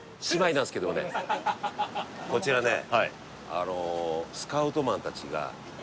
こちらねえ！